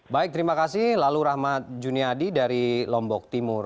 baik terima kasih lalu rahmat juniadi dari lombok timur